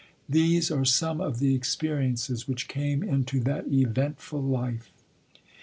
These are some of the experiences which came into that eventful life.